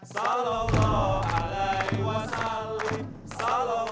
salam allah allah wasalam